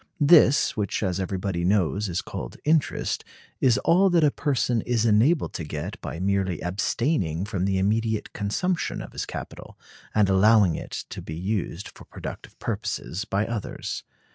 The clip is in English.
This, which as everybody knows is called interest, is all that a person is enabled to get by merely abstaining from the immediate consumption of his capital, and allowing it to be used for productive purposes by others.